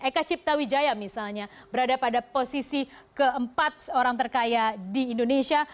eka cipta wijaya misalnya berada pada posisi ke empat orang terkaya di indonesia